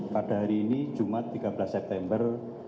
pada hari ini jumat tiga belas september